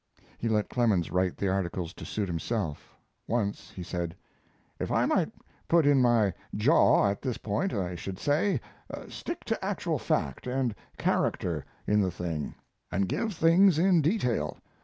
He let Clemens write the articles to suit himself. Once he said: If I might put in my jaw at this point I should say, stick to actual fact and character in the thing and give things in detail.